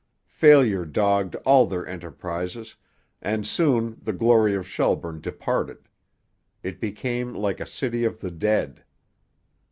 Failure dogged all their enterprises, and soon the glory of Shelburne departed. It became like a city of the dead.